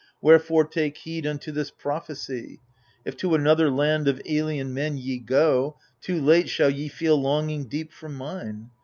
Wherefore take heed unto this prophecy — If to another land of alien men Ye go, too late shall ye feel longing deep For mine.